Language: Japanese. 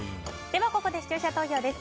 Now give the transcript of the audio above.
ここで視聴者投票です。